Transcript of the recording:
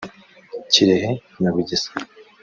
Kirehe na Bugesera